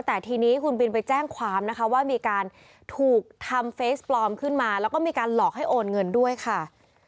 แต่ทีนี้คุณบินไปแจ้งความนะคะว่ามีการถูกทำเฟสปลอมขึ้นมาแล้วก็มีการหลอกให้โอนเงินด้วยค่ะ